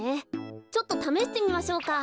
ちょっとためしてみましょうか。